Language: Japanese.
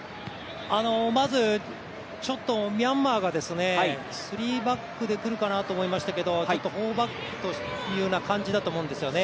まず、ミャンマーがスリーバックでくるかなと思いましたけどちょっとフォーバックというような感じだと思うんですよね。